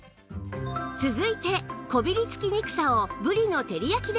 続いてこびりつきにくさをぶりの照り焼きで検証